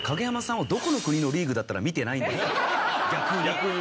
逆に。